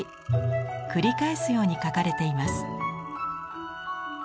繰り返すように描かれています。